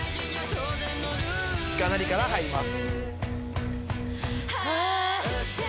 がなりから入ります。